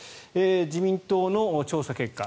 自民党の調査結果